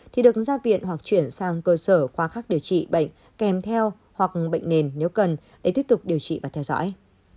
thì được ra viện hoặc chuyển sang cơ sở khoa khác điều trị bệnh kèm theo hoặc bệnh nền nếu cần để tiếp tục điều trị và theo dõi